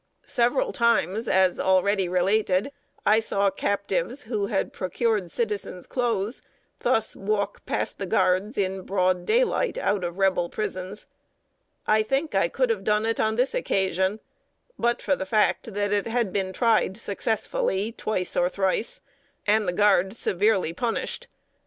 Several times, as already related, I saw captives, who had procured citizens' clothes, thus walk past the guards in broad daylight, out of Rebel prisons. I think I could have done it on this occasion, but for the fact that it had been tried successfully twice or thrice, and the guards severely punished.